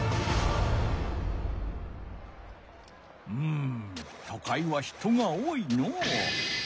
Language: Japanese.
うんとかいは人が多いのう。